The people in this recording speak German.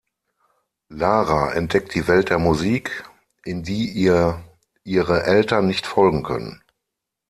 Lara entdeckt die Welt der Musik, in die ihr ihre Eltern nicht folgen können.